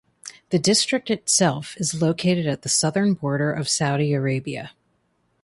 The district itself is located at the southern border of Saudi Arabia.